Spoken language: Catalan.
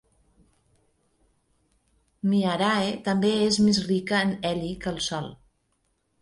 Mi Arae també és més rica en heli que el Sol.